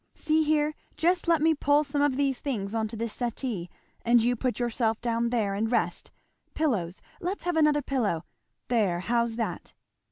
See here just let me pull some of these things onto this settee, and you put yourself down there and rest pillows let's have another pillow, there, how's that?"